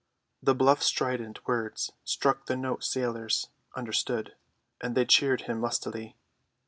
The bluff strident words struck the note sailors understood, and they cheered him lustily.